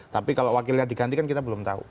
tapi kalau wakilnya diganti kan kita belum tahu